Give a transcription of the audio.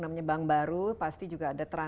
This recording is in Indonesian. namanya bank baru pasti juga ada